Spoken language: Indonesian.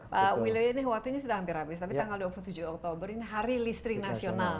pak wiloyo ini waktunya sudah hampir habis tapi tanggal dua puluh tujuh oktober ini hari listrik nasional